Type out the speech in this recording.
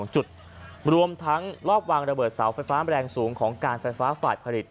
๒จุดรวมทั้งรอบวางระเบิดเสาไฟฟ้าแรงสูงของการไฟฟ้าฝ่ายผลิต